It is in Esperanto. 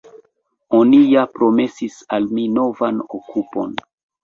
Oni ja promesis al mi novan okupon.